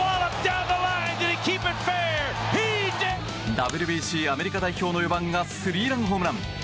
ＷＢＣアメリカ代表の４番がスリーランホームラン！